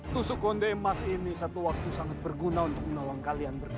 tusuk konde emas ini satu waktu sangat berguna untuk menolong kalian berdua